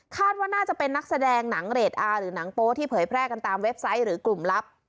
ว่าน่าจะเป็นนักแสดงหนังเรทอาร์หรือหนังโป๊ที่เผยแพร่กันตามเว็บไซต์หรือกลุ่มลับ